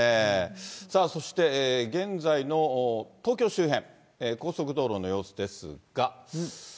そして、現在の東京周辺、高速道路の様子ですが。